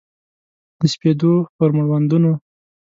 د سپېدو پر مړوندونو